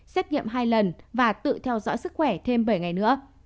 xét nghiệm hai lần và tự theo dõi sức khỏe thêm bảy ngày nữa